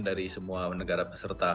dari semua negara peserta